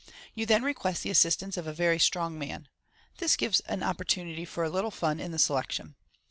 You then request the assistance of a very strong man. This gives an opportunity for a little fun in the selection.